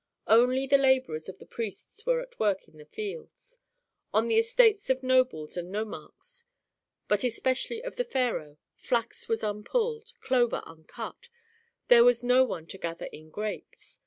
Only the laborers of the priests were at work in the fields. On the estates of nobles and nomarchs, but especially of the pharaoh, flax was unpulled, clover uncut; there was no one to gather in grapes.